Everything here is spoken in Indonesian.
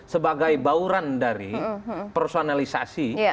sebagai bauran dari personalisasi